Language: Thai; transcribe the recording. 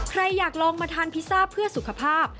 ใครอยากลองมาทานพิซซ่าเพื่อสุขภาพ